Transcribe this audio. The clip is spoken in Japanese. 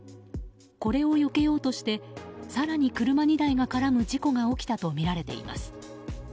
これをよけようとして更に車２台が絡む事故が起きたとみられています。